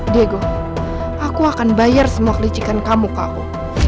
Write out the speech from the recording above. diego aku akan bayar semua kelicikan kamu ke aku